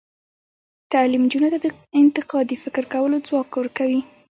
تعلیم نجونو ته د انتقادي فکر کولو ځواک ورکوي.